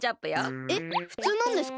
えっふつうなんですか？